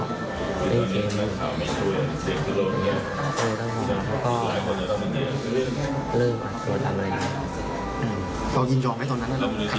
ต่อเล่นเทมต้องถอดแล้วก็เริ่มกับส่วนดำอะไรอย่างนี้